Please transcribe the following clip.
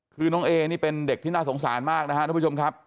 คือน้องเอนี่เป็นเด็กที่น่าสงสารมากนะครับทุกผู้ชมครับ